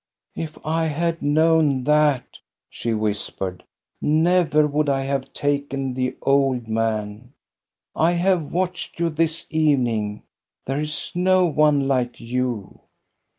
" If I had known that," she whispered, never would I have taken the old man. I have watched you this evening ; there is no one like you."